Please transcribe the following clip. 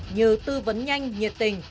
nhờ tư vấn nhanh nhiệt tình